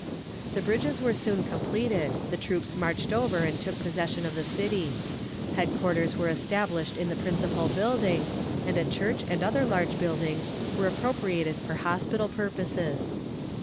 The bridges were soon completed, the troops marched over and took possession of the city. Headquarters were established in the principal building, and a church and other large buildings were appropriated for hospital purposes.